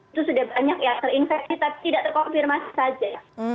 itu sudah banyak yang terinfeksi tapi tidak terkonfirmasi saja